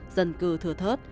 dân cư thừa thớt